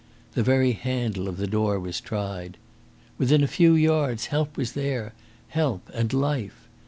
The very handle of the door was tried. Within a few yards help was there help and life.